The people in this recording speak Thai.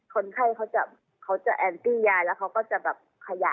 คนไข้เขาจะเขาจะแอนตี้ยายแล้วเขาก็จะแบบขยะ